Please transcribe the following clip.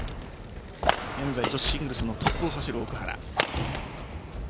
現在、女子シングルのトップを走る奥原。